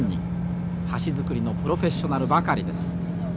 橋造りのプロフェッショナルばかりです。